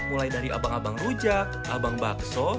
mulai dari abang abang rujak abang bakso